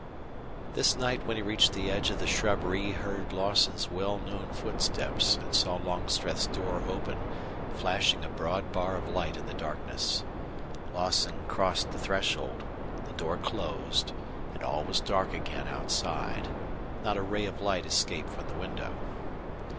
This night when he reached the edge of the shrubbery he heard Lawson's well known footsteps and saw Longstreth's door open, flashing a broad bar of light in the darkness. Lawson crossed the threshold, the door closed, and all was dark again outside. Not a ray of light escaped from the window.